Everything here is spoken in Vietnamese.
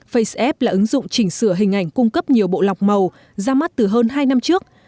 faceapp là ứng dụng chỉnh sửa hình ảnh cung cấp nhiều bộ lọc màu ra mắt từ hơn hai năm trước